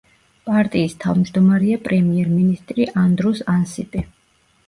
პარტიის თავმჯდომარეა პრემიერ-მინისტრი ანდრუს ანსიპი.